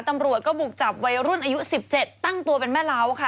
ตำรวจก็บุกจับวัยรุ่นอายุ๑๗ตั้งตัวเป็นแม่เล้าค่ะ